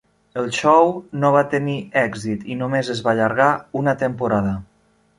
El xou no va tenir èxit i només es va allargar una temporada.